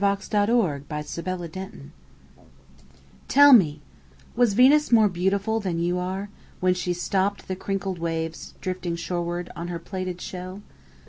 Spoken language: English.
Venus Transiens By Amy Lowell TELL me, Was Venus more beautifulThan you are, When she stoppedThe crinkled waves, Drifting shorewardOn her plaited shell?